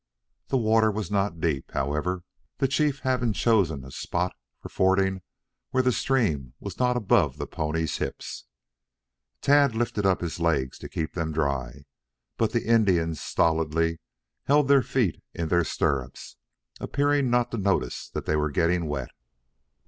The water was not deep, however, the chief having chosen a spot for fording where the stream was not above the ponies' hips. Tad lifted up his legs to keep them dry, but the Indians stolidly held their feet in their stirrups, appearing not to notice that they were getting wet.